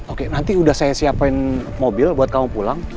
oke nanti udah saya siapin mobil buat kamu pulang